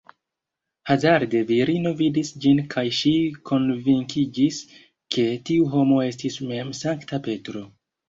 Hazarde virino vidis ĝin kaj ŝi konvinkiĝis, ke tiu homo estis mem Sankta Petro.